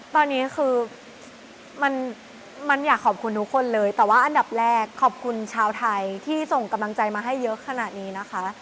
ตอนนี้คือมันอยากขอบคุณทุกคนเลยแต่ว่าอันดับแรกขอบคุณชาวไทยที่ส่งกำลังใจมาให้เยอะขนาดนี้นะคะ